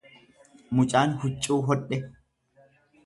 Mucaan huccuu hodhe